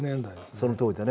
そのとおりだね。